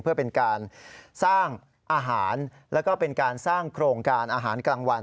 เพื่อเป็นการสร้างอาหารแล้วก็เป็นการสร้างโครงการอาหารกลางวัน